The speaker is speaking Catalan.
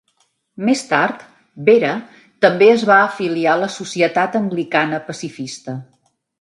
Més tard, Vera també es va afiliar a la Societat anglicana pacifista.